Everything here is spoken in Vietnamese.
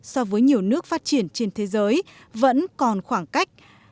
so với nhiều nước phát triển trên thế giới vẫn còn khoảng cách